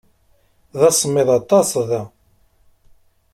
D asemmiḍ aṭas da.